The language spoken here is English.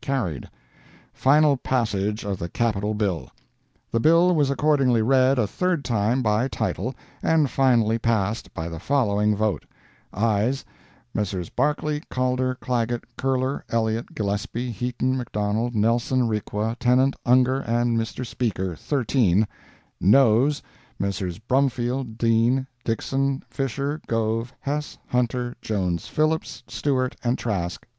Carried. FINAL PASSAGE OF THE CAPITAL BILL The bill was accordingly read a third time by title, and finally passed, by the following vote: AYES—Messrs. Barclay, Calder, Clagett, Curler, Elliott, Gillespie, Heaton, McDonald, Nelson, Requa, Tennant, Ungar and Mr. Speaker—13. NOES—Messrs. Brumfield, Dean, Dixson, Fisher, Gove, Hess, Hunter, Jones, Phillips, Stewart and Trask—11.